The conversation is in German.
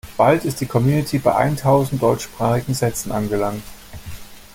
Bald ist die Community bei eintausend deutschsprachigen Sätzen angelangt.